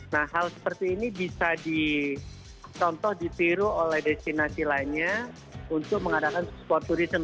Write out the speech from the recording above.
nah hal seperti ini bisa dicontoh ditiru oleh destinasi lainnya untuk mengadakan support tourism